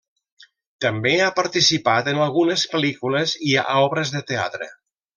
També ha participat en algunes pel·lícules i a obres de teatre.